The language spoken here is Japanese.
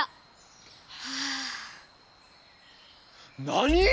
なに⁉